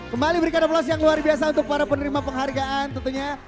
kembali berikan aplos yang luar biasa untuk para penerima penghargaan tentunya